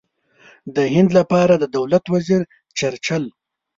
د هند لپاره د دولت وزیر چرچل.